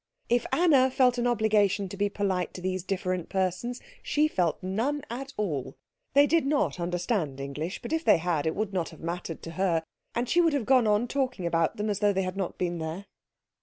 If Anna felt an obligation to be polite to these different persons she felt none at all. They did not understand English, but if they had it would not have mattered to her, and she would have gone on talking about them as though they had not been there.